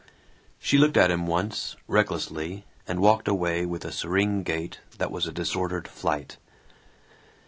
She looked at him once, recklessly, and walked away with a serene gait that was a disordered flight.